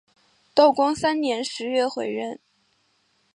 道光三年十月回任。